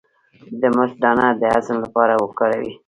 د مرچ دانه د هضم لپاره وکاروئ